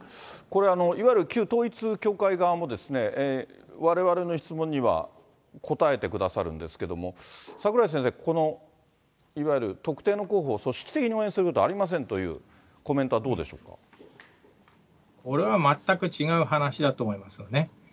これ、いわゆる旧統一教会側も、われわれの質問には答えてくださるんですけれども、櫻井先生、このいわゆる特定の候補を組織的に応援することはありませんといこれは全く違う話だと思いますよね。